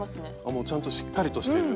もうちゃんとしっかりとしてる。